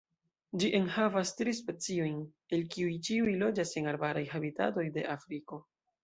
Ĝi enhavas tri speciojn, el kiuj ĉiuj loĝas en arbaraj habitatoj de Afriko.